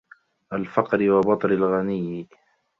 الْفَقْرِ وَبَطْرِ الْغَنِيِّ